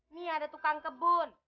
ini ada tukang kebun